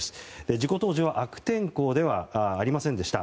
事故当時は悪天候ではありませんでした。